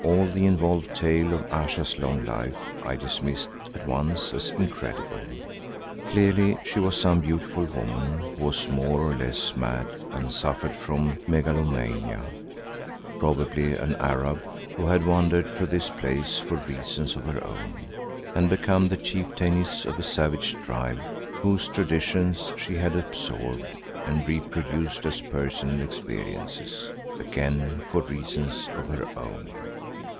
All the involved tale of Ayesha's long life I dismissed at once as incredible. Clearly she was some beautiful woman who was more or less mad and suffered from megalomania; probably an Arab, who had wandered to this place for reasons of her own, and become the chieftainess of a savage tribe whose traditions she had absorbed and reproduced as personal experiences, again for reasons of her own.